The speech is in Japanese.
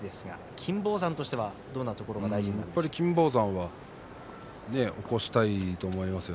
金峰山としてはどんなところが大事ですか。